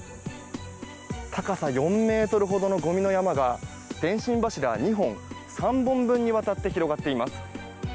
高さ４ｍほどのごみの山が電信柱２本、３本分にわたって広がっています。